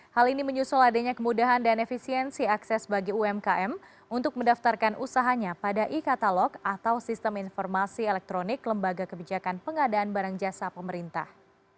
hal ini menyusul adanya kemudahan dan efisiensi akses bagi umkm untuk mendaftarkan usahanya pada e katalog atau sistem informasi elektronik lembaga kebijakan pengadaan barang jasa pemerintah